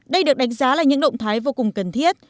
đây được đánh giá là những động thái vô cùng cần thiết